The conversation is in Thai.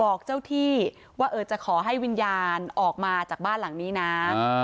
บอกเจ้าที่ว่าเออจะขอให้วิญญาณออกมาจากบ้านหลังนี้นะ